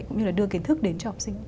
cũng như là đưa kiến thức đến cho học sinh